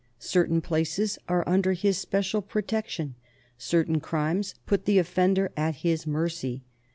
Certain places are under his special pro tection, certain crimes put the offender at his mercy.